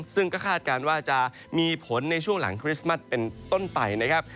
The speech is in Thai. ซึ่งก็คาดการณ์ว่าจะมีผลในช่วงหลังคริสต์มัสเป็นต้นไปนะครับ